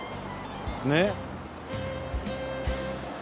ねっ。